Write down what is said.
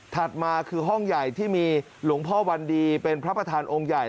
มาคือห้องใหญ่ที่มีหลวงพ่อวันดีเป็นพระประธานองค์ใหญ่